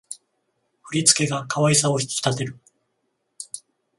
振り付けが可愛さを引き立てる